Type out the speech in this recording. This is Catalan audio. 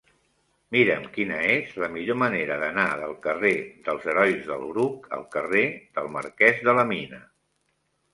Mira'm quina és la millor manera d'anar del carrer dels Herois del Bruc al carrer del Marquès de la Mina.